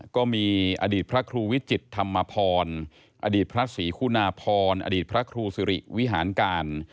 ก็มีอดีตพระครูวิจิตธรรมพรอดีตพระศรีคุณาพรอดีตพระครูสิริวิหารการ